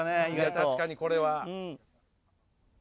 確かにこれは。